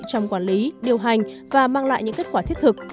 trong quản lý điều hành và mang lại những kết quả thiết thực